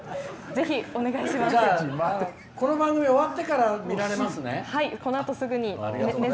じゃあ、この番組終わってから見られますね。